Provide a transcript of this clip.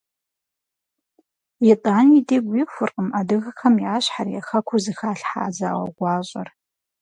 Итӏани, дигу ихуркъым адыгэхэм я щхьэр, я Хэкур зыхалъхьа зауэ гуащӏэр.